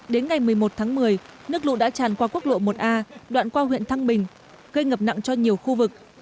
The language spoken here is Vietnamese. đến ngày một mươi một tháng một mươi nước lũ đã tràn qua quốc lộ một a đoạn qua huyện thăng bình gây ngập nặng cho nhiều khu vực